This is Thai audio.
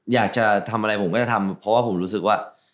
อยากจะทำอะไรผมก็จะทำเพราะว่าผมรู้สึกว่า